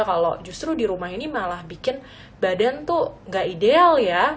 kalau justru di rumah ini malah bikin badan tuh gak ideal ya